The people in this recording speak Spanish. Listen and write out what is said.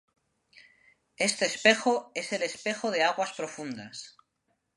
Este espejo es el Espejo de Aguas Profundas.